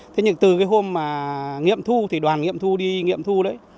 thế nhưng từ cái hôm mà nghiệm thu thì đoàn nghiệm thu đi nghiệm thu đấy